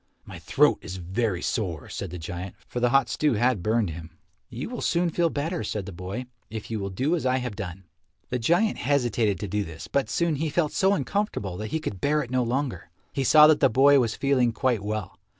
"My throat is very sore," said the giant, for the hot stew had burned him. "You will soon feel better," said the boy, "if you will do as I have done." The giant hesitated to do this, but soon he felt so uncomfortable that he could bear it no longer. He saw that the boy was feeling quite well.